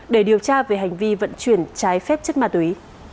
để điều tra về hành vi vận chuyển trái phép chất ma túy